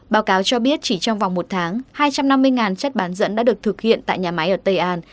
báo cáo cho biết chỉ trong vòng một tháng hai trăm năm mươi chất bán dẫn đã được thực hiện tại nhà máy ở tây an